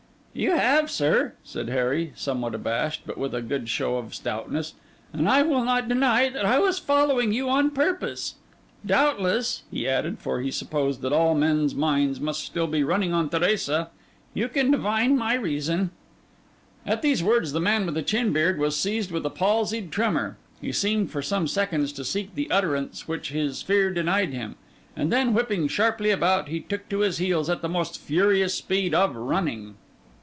'You have, sir,' said Harry, somewhat abashed, but with a good show of stoutness; 'and I will not deny that I was following you on purpose. Doubtless,' he added, for he supposed that all men's minds must still be running on Teresa, 'you can divine my reason.' At these words, the man with the chin beard was seized with a palsied tremor. He seemed, for some seconds, to seek the utterance which his fear denied him; and then whipping sharply about, he took to his heels at the most furious speed of running.